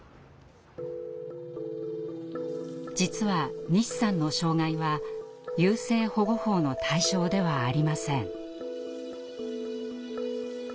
実は西さんの障害は優生保護法の対象ではありません。